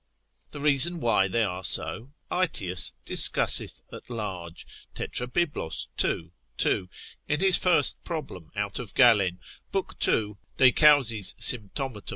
The reason why they are so, Aetius discusseth at large, Tetrabib. 2. 2. in his first problem out of Galen, lib. 2. de causis sympt.